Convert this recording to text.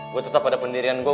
gue tetap ada pendirian gue